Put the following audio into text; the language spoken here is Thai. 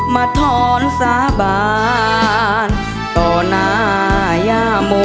มาถอนสาบานต่อนาย่าโม